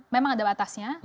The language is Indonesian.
memang ada batasnya